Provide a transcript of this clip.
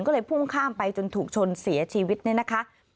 ก็เลยพุ่งข้ามไปจนถูกชนเสียชีวิตเนี่ยนะคะ